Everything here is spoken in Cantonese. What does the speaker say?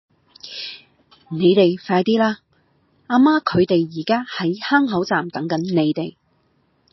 你哋快啲啦!阿媽佢哋而家喺坑口站等緊你哋